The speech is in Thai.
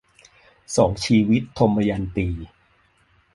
สองชีวิต - ทมยันตี